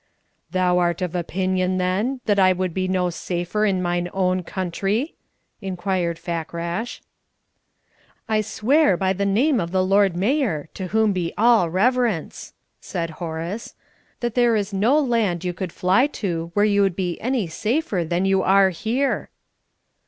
"Thou art of opinion, then, that I should be no safer in mine own country?" inquired Fakrash. "I swear by the name of the Lord Mayor (to whom be all reverence!)" said Horace, "that there is no land you could fly to where you would be any safer than you are here."